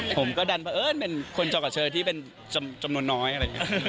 ผมก็ดันเพราะเอิญเป็นคนจอกับเชอที่เป็นจำนวนน้อยอะไรอย่างนี้